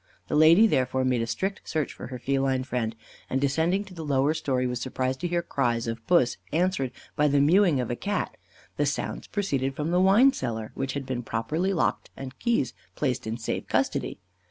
The lady, therefore, made a strict search for her feline friend, and descending to the lower storey, was surprised to hear her cries of "Puss" answered by the mewing of a Cat, the sounds proceeding from the wine cellar, which had been properly locked and the key placed in safe custody.